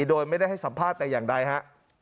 โดยไม่ได้ให้สัมภาษณ์แต่อย่างใดฮะ